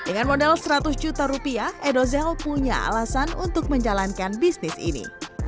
dengan modal seratus juta rupiah edozel punya alasan untuk menjalankan bisnis ini